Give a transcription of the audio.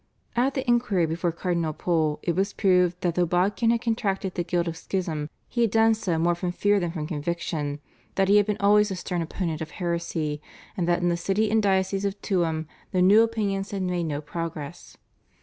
At the inquiry before Cardinal Pole it was proved that though Bodkin had contracted the guilt of schism he had done so more from fear than from conviction, that he had been always a stern opponent of heresy, and that in the city and diocese of Tuam the new opinions had made no progress.